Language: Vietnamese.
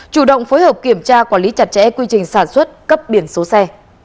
chủ động phối hợp kiểm tra quản lý chặt chẽ quy trình sản xuất cấp biển số xe